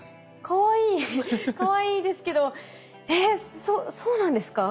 かわいいですけどえっそうなんですか？